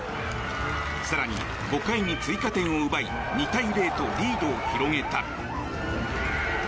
更に、５回に追加点を奪い２対０とリードを広げた。